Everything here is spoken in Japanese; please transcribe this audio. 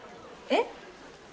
えっ？